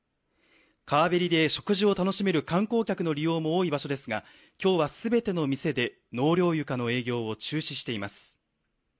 川べりで食事を楽しめる観光客の利用も多い場所ですがきょうはすべての店で納涼床の営業を中止しています。